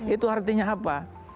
itu artinya apa